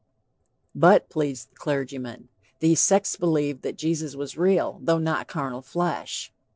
"But," pleads the clergyman, "these sects believed that Jesus was real, though not carnal flesh."